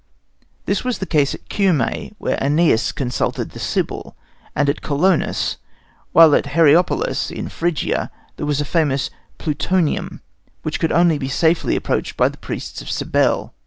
This was the case at Cumæ where Æneas consulted the Sybil, and at Colonus; while at Hierapolis in Phrygia there was a famous "Plutonium," which could only be safely approached by the priests of Cybele.